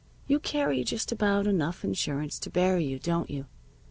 You carry just about enough insurance to bury you, don't you?